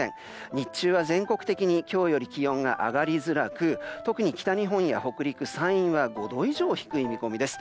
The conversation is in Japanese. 日中は全国的に今日より気温が上がりづらく特に北日本、北陸、山陰は５度以上低い見込みです。